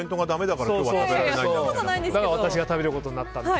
だから私が食べることになったって。